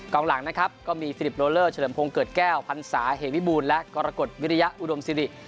กลางหลังก็มีฟิลิปโรลเลอร์เฉลิมพงษ์เกิดแก้วพันษาเฮวิบูลและกรกฎวิริยาอุดมศิริ